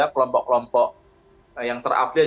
kelompok kelompok yang terafiliasi